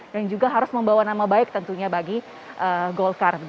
yang juga harus membawa nama baik tentunya bagi golkar